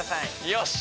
よし。